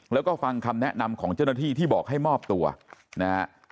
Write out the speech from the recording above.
แล้วก็ฟังคำแนะนำของเจ้าหน้าที่ที่บอกให้มอบตัวนะฮะ